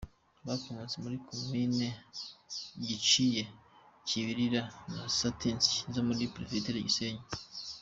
Bakomotse muri za komini Giciye, Kibilira na Satinsyi zo muri Perefegitura Gisenyi.